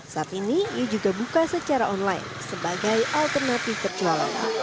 saat ini ia juga buka secara online sebagai alternatif terjualan